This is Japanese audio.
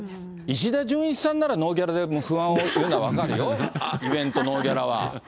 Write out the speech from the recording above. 石田純一さんならノーギャラで不満を言うのは分かるよ、イベントノーギャラは。